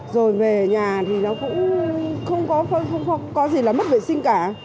rồi về nhà thì nó cũng không có gì là mất vệ sinh cả